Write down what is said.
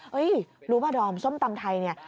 รู้ป่ะดอมส้มตำไทยเนี่ย